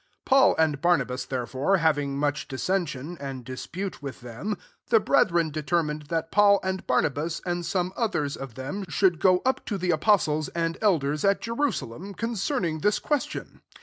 2 Paul and Barnabas, therelfore, having much dissention [and disfiutej with them, the brethren deter mined that Paul and Barnabas, and some others of them, should go up to the apostles and elders at Jerusalem, concerning this question.